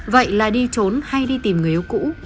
vậy là đi trốn hay đi tìm người yếu cũ